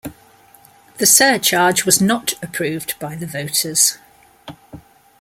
The surcharge was not approved by the voters.